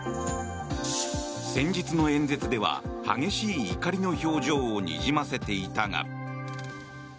先日の演説では激しい怒りの表情をにじませていたが。